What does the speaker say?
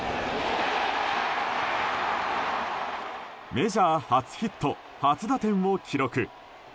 メジャー初ヒット初打点を記録。